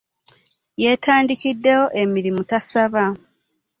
Yetaandikieawo emirimu tasaba.